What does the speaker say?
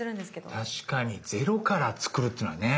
確かにゼロから作るっていうのはね。